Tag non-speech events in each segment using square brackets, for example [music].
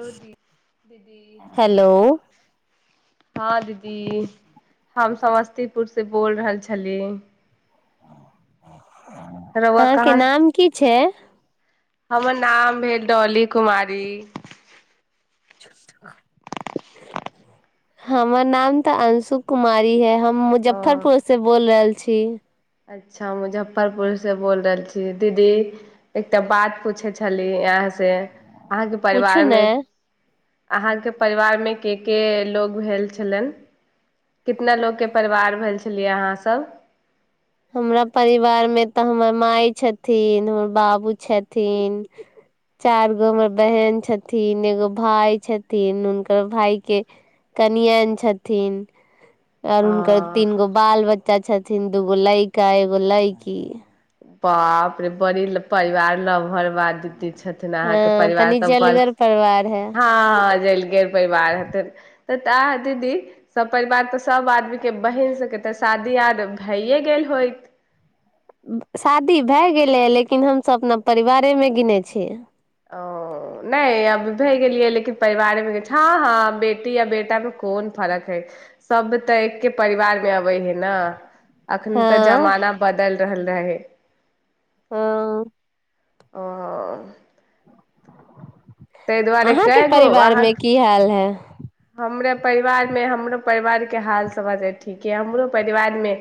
दीदी हेलो हँ दीदी जी हम समस्तीपुर से बोल रहल छली रौआ अहाँ के कहाँ नाम की छै [unintelligible] हमर नाम भेल डौली कुमारी हमर नाम तऽ अंशु कुमारी है हम ओ मुजफ्फरपुर से बोल रहल छी पक्षी अच्छा मुजफ्फरपुरसँ बोल रहल छी दीदी एकटा बात पूछै छली यहाँसँ अहाँके पूछू परिवार ने मे अहाँके परिवारमे के के लोको भेल छलनि कितना लोकके परिवार भेल छलियै अहाँसभ हमरा परिवारमे तऽ हमर मााय छथिन हमर बाबू छथिन चारि गो हमर बहन छथिन एगो भाय छथिन हुनकर भाय के कनियन छथिन आओर अ हुनकर तीन गो बाल बच्चा छथि हिन्दु बोलैका ह गोलैकी बापे बड़ी परिवार लरब द ह हँ परिवार तनी सब जलगर परिवार है परिवार हतै त ता दीदी सपरिवार तऽ सब आदमी के बहिन सबके तऽ शादी याद भैए गेल होइत शादी भए गेलै ह लेकिन हमसभ अपना परिवारेमे गिने छीियै ओ नहि अब भय गेलियै लेकिन परिवारमे हँ हँ बेटी य बेटामे कोन फरक हइ सभ तऽ एकके परिवारमे अबै हे ने अखन तऽ हँ जमाना बदल रहल रहै हँ ओ ताहि दुआरे अहाँके कए गो परिवार मे की हाल है हमरा परिवारमे हमरो परिवारके हाल समाज ठीक यइ हमरो परिवारमे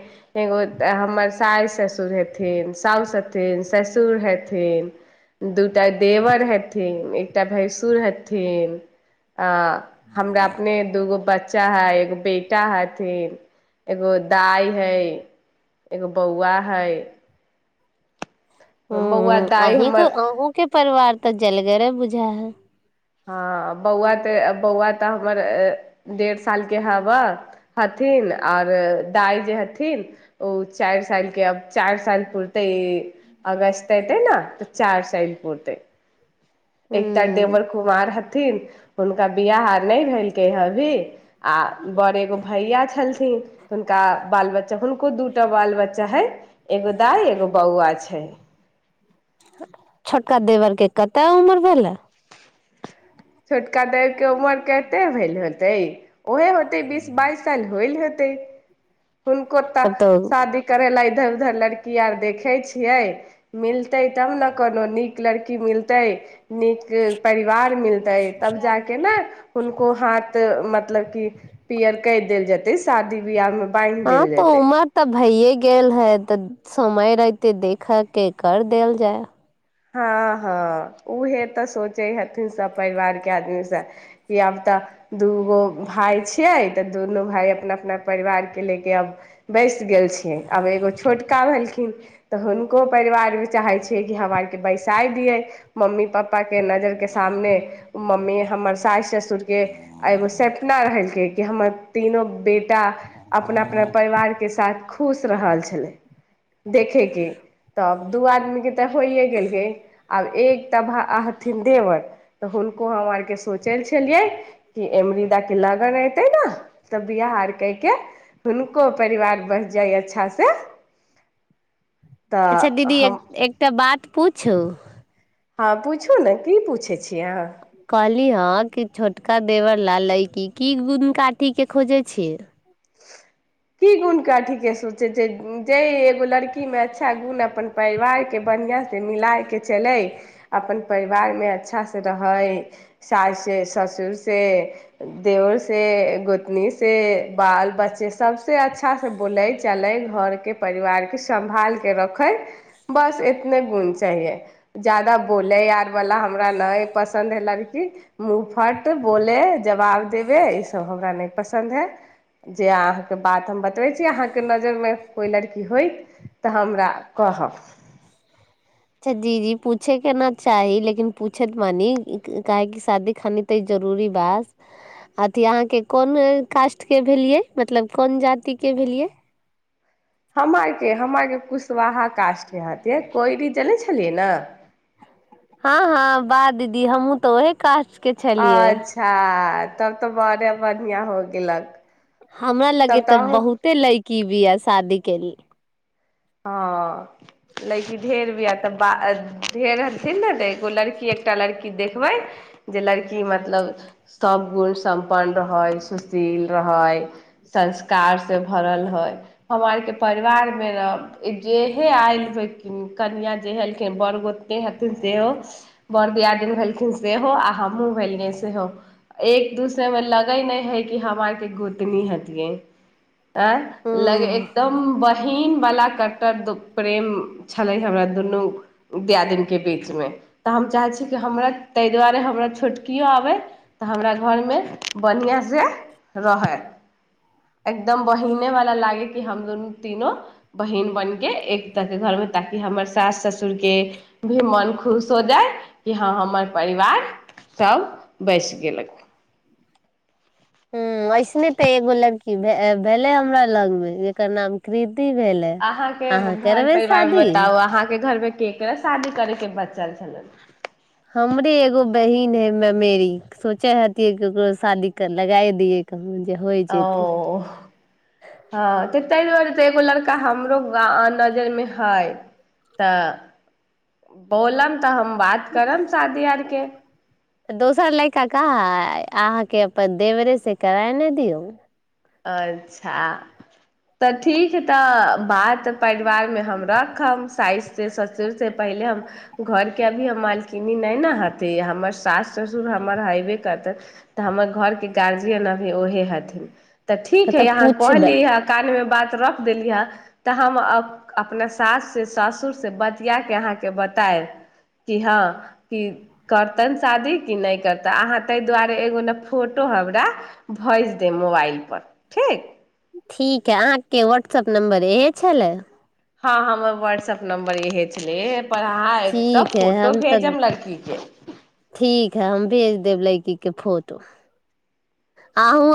एगो हमर सास ससुर हेथिन साउासु हथिन ससुर हेथिन दूटा देवर हेथिन एकटा भैंसुर हेथिन आ हमरा अपने दूगो बच्चा बच्चा है एगो बेटा हथिन एगो दाइ है एगो बौआ है ह दाइ अहीं हमर अहूँके परिवार तऽ जलगर बुझा ह हँ बौआ तऽ बौआ तऽ हमर डेढ़ सालके हवह हथिन आओर दाइ जे हथिन ओ चारि सालके आब चारि साल पुरतै ई अगस्त अयतै ने तऽ चारि साल पुरतै एक त ह देवर कुमार ह न हुनका बिआाह आर नहि भेलकै अभी आ बड़ एगो भैया छलथिन तऽ हुनका बाल बच्चा हुनक को दूटा बाल बच्चा है एगो दाइ एगो बौआ छै छोटका देवरके कतेक उम्र भेलै छोटका देव के उमर केते भेल होतै ओहे होतै बीस बाइस साल होइल होतै हुनकोत तब तऽ शादी कर ल इल उधर लड़की आर देखे छियै मिलते तब ने कोनो नीक लड़की मिलते नीक परिवार मिलते तब जा के ने हुनको हाथ मतलब की पीयर क देल जेते शादी ब्याहमे हँ तऽ उमर तऽ भैए गेल है तऽ समय रहिते देखय के कर देल जाय हँ हँ उहे तऽ सोचे हथिन सब परिवार के आदमी से कि आब तऽ दूगो भाय छिये तऽ दुनू भाय अपना अपना परिवार के लेके आब बैस गेल छिय आब एगो छोटका भेलखिन तऽ हुनको परिवार भ चाहे छै कि हम बैसा दिय मम्मी पापा के नजर के सामने मम्मी हमर सास ससुर के एगो सपना रहलकै कि हमर तीनो बेटी टा अपना अपना परिवार के साथ खुश रहल छले देखे के तब दू आदमी के तऽ होइ गेल आब एक त भ हथिन देवर तऽ हुनको हम आरके सोचल छलियै क एमरी द किललाा गनेै ते ने तब बिियाह आर कै के हुनको परिवार बस जाइ अच्छा से अच्छा दीदी एकटा बात पूछू हँ पूछू ने की पूछैत छिय अहाँ कहली हँ कि छोटका देवर लाल लै की की गुन काठी के खोजे छी किी गुणनका ठीकस छै जे जे लड़की में अच्छा गुण अपन परिवार के बढ़आं त मिलके चलै अपन परिवारमे अच्छासँ रहै सास से ससुर से देवर से गोतनी से बाल बच्चे सभसँ अच्छासँ बोलै चलै घरके परिवारके सम्भाल कऽ रखै बस इतने गुण चाहिये जादाा बोलै आरवला हमरा नहि पसन्द हइ लड़की मुूँहफट बोले जवाब देबे इसभ हमरा नहि पसन्द हइ जे अहाँके बात हम बतबै छी अहाँके नजरिमे कोइ लड़की होयत तऽ हमरा कहब जी जी पूछैके ने चाही लेकिन पूछैत मानी काहेकि शादी खानी तऽ जरूरी बास अथी अहाँके कोन कास्टके भेलियै मतलब कोन जातिके भेलियै हम आरके हम आरके कुशवाहा कास्टके हति कोइ भी चलै छलियै ने हँ हँ बाह दीदी हमू तऽ ओहे काज अच्छा तब तऽ बढ़े बढ़ििया हो गेलक हमरा लगे तब तऽ अहूँ बहुते लैकी भी य शादी केल ह लैेकी ढेर तऽ ब एगो लड़की एकटा लड़की कि देखबै जे लड़की मतलब सब गुण सम्पन्न रहै सुशील रहै संस्कार से भरल है हमरा आरके परिवारमे ने जेहे आयल कनिया जे हलखिन बर गोत हथिन से बर दियादिन भेलखिन सेहो आ हम मु भेलेलने से हो एक दूसरे में लगई नहि हय ई हवा के गोतनी हतिियए आँ लग हूँ एकदम ीन बला एक प्रेम छलै हमरा दुनू दियादिन के बीच मे तऽ हम चाहे छी कि हमरा ताहि दुआरे हमरा छोटकियो आबै तऽ हमरा घर मे बढ़आ से रहै एकदम बहने वाला लागे कि हम दुनू तीनो बहिीन बन कऽ एक तऽके घरमे ताकि हमर सास ससुरके भी मन खुश हो जाय कि हँ हमर परिवार सभ बस गेलक ह ऐसने ते एगो लड़की भेले हमरा लग मे जेकर नाम कृति भेलै अहाँके अहाँ घर करबै परिवार मे शादी बताउ अहाँके घर मे के के रह शादी करे के बता चल चल हमरे एगो बहिन है मे मेरी सोचे हतिै क ओकरो शादी लगाए दिय कह ओ हँ कतहि दुआार एगो लड़का हमरो ग नजर मे है तऽ बोलब तऽ बात करब शादी आरके तऽ दोसर लड़का कह अहाँके अपन देवरेसँ कराय नहि दियौ अच्छा तऽ ठीक ह तऽ बात तऽ परिवारमे हम रखब साइससँ ससुरसँ पहिले हम घर के अभी मालकिन नहि ने हती हमर साास ससुर हमर हेबे करतै तऽ हमर घर के गार्जियन अभी ओहे हथिन तऽ ठीक है तऽ यहाँ पूछबै कहली है अकानव बात रख देली हे तऽ हम अपना सास से सासुर से बतिया के अहाँके बतायब क हँ क करतन शादी क नहि करताे अहाँ ताहि दुआरे एगो ने फोटो हमरा भेज देब मोबाइल पर ठीक ठीक है अहाँके व्हाट्सएप नम्बर इहे छलै हँ हमर व्हाट्सऐप नम्बर यहे पर हहाँ एक त ठीक हइ फोटो हम तऽ भेजम लड़की के फोतो आहू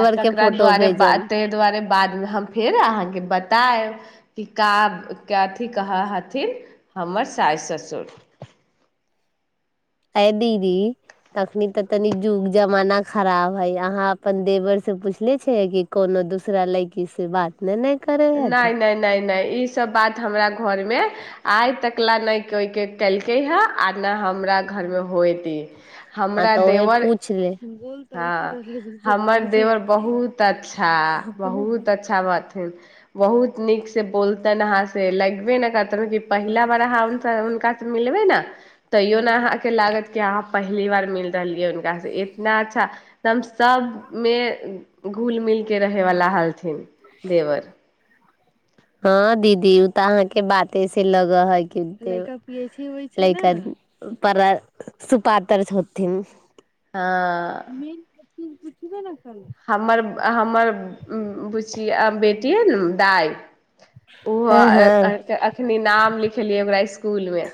आ तकरा द्वारे बते दु्वारे बाद हम फेर अहाँके बतायब कि क के अथी कहऽ हथिन हमर सास ससुर अ दीदी तखनी तऽ तनी युग जमाना खराब हे अहाँ अपन देवर से पुछले छियै कि कोनो दूसरा लयकी से बात ने ने करै हथिन नहि नहि नहि नहि ई सब बात हमरा घर मे आइ तकला नहि केलकै हे आ नहि हमरा घर मे होते हँ हमरा तऽ उहे देवर पूछ ले हँ हमर देवर बहुत अच्छा बहुत अच्छा बथिन बहुत नीक से बोलतेन हहाँ से लगबे न करतन पहिला बड़ अहाँ हुनका से मिलबै ने तैयो ने अहाँ के लागत क अहाँ पहली बार मिल रहलिय हुनका से इतना अच्छाम सब मे घुल मिल के रहे बाला हालथि थि देवर हँ दीदी उ तऽ अहाँके बाते से लगऽ है कि ल पर सुपात्र छथिथिन हँ की पुछी भेल ने हमर हमर ब बेटी ह ने दाइ ओहो हँ हँ अखनी नाम लिखलियै ओकरा इकूल में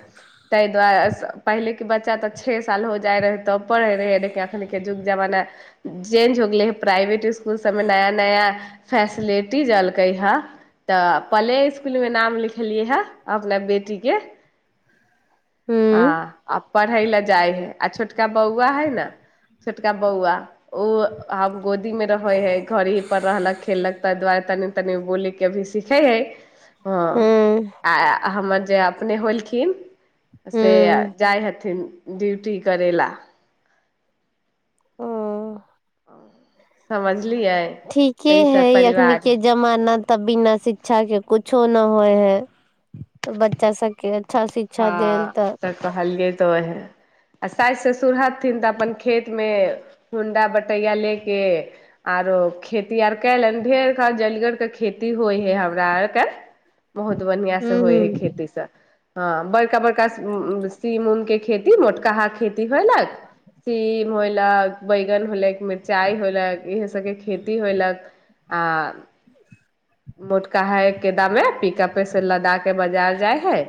ताहि दुआारे पहिले के बच्चा तऽ छे साल हो जाय रहे तब पढ़े रहे ल अखन के युग जमाना चेंज हो गेले हे प्राइवेट इसकुल सबमे नया नया फैसिलिटीज अलकै हे तऽ पले इसकुल मे नाम लिखलियै हे अपना बेटी के हूँ आ पढ़य लए जाय हइ आ छोटका बौआ है ने छोटका बौआ ओ आ गोदीमे रहै हइ घरेी पर रहलक खेललक ताहि दुआरे तनि तनि बोली क अभी सिखै हइ हँ हूँ आ हमर जे अपने होलखिन से हूँ जाइ हथिन ड्यूटी करै ल ओ समझ ठीके है अखन के जमाना तब बिना शिक्षा के कुछो न होइ है तऽ बच्चा सबके अच्छा शिक्षा देल तऽ त ह आ साासि ससुर हथिन तऽ अपन खेतमे होंडा बटैय लऽ कऽ आरो खेती आर कयलनि ढेरर जलगरके खेती होइ हइ हमरा आरके बहुत बढ़आं से हूँ होइ है हूँ खेती सब हँ बड़का बड़का सीम उम के खेती मोटकाहा खेती होयलक सीम होयलक बैगन होयलक मिरचाई होयलक इहे सबके खेती होयलक आ मोटका हा के दमे पअ पेसँ लदा के बाजार जाइ हइ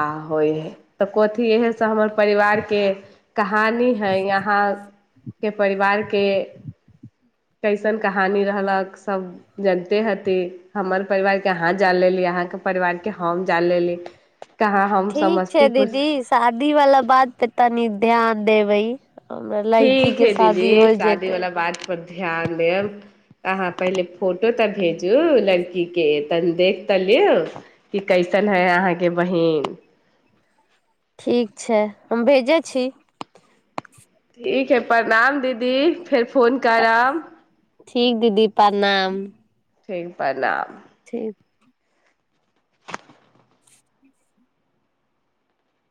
आ होइ हइ तऽ कथी इहे सभ हमर परिवारके कहानी है यहाँके परिवारके कैसन कहानी रहलक सभ जनिते ह हमर परिवारके अहाँ ज लेली अहाँके परिवारके हम जाल लेली कहाँ हम ठीक छै समस्तीपुर दीदी शादी वालला बात पे तनी ध्यान देब हमरा लड़की ठीक के हइ दीदी शादी होइ शादी जतै वाला बात पर ध्यान देब अहाँ पहिले फोटो तऽ भेजू लड़की के तन देख तऽ लिऔ कि कैसन है अहाँके बहिन ठीक छै हम भेजै छी ठीक है प्रणाम दीदी फेर फोन करब बणाम ठीक पल ठीक